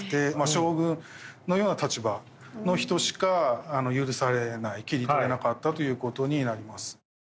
将軍のような立場の人しか許されない切り取れなかったという事になります。